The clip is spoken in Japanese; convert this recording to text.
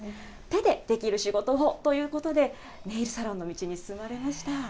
手でできる仕事をということで、ネイルサロンの道に進まれました。